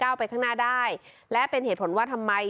ไปข้างหน้าได้และเป็นเหตุผลว่าทำไม